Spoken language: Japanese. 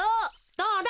どうだ？